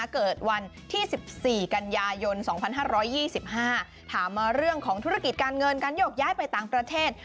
เกิดวันที่๑๔กันยายน๒๕๒๕ถามมาเรื่องของธุรกิจการเงินการโยกย้ายไปต่างประเทศ